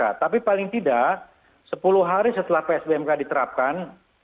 ya tapi paling tidak sepuluh hari setelah psbmk diterapkan